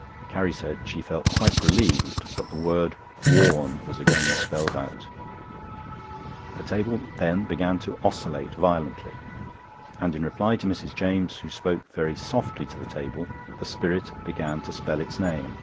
Carrie said she felt quite relieved, but the word "WARN" was again spelt out. The table then began to oscillate violently, and in reply to Mrs. James, who spoke very softly to the table, the spirit began to spell its name.